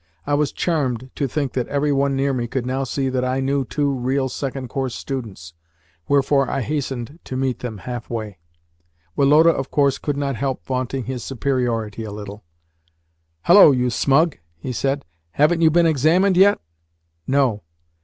I was charmed to think that every one near me could now see that I knew two real second course students: wherefore I hastened to meet them half way. Woloda, of course, could not help vaunting his superiority a little. "Hullo, you smug!" he said. "Haven't you been examined yet?" "No."